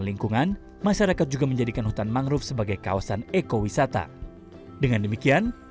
lingkungan masyarakat juga menjadikan hutan mangrove sebagai kawasan ekowisata dengan demikian